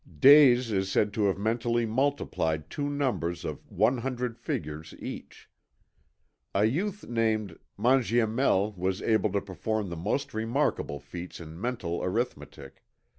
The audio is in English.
Dase is said to have mentally multiplied two numbers of one hundred figures each. A youth named Mangiamele was able to perform the most remarkable feats in mental arithmetic.